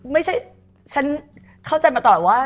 ไม่ชนเข้าใจมาตอนหลังว่า